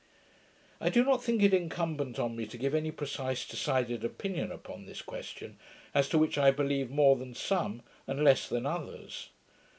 I do not think it incumbent on me to give any precise decided opinion upon this question, as to which I believe more than some, and less than others.